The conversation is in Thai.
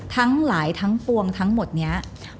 ทั้งหลายทั้งปวงทั้งหมดนี้